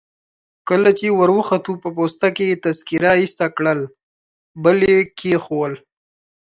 کله چي وروختو په پوسته کي يې تذکیره ایسته کړل، بله يي کښېښول.